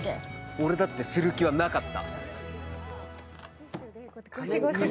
俺だって、する気はなかった。